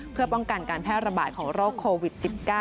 เพื่อป้องกันการแพร่ระบาดของโรคโควิด๑๙